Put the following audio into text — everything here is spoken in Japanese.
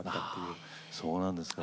あそうなんですか。